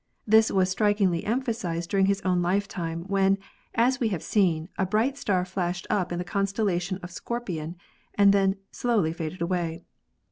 This was strikingly emphasized during his own lifetime, when, as we have seen, a bright star flashed up in the constella tion of the Scorpion and then slowly faded away.